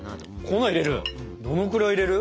粉入れる？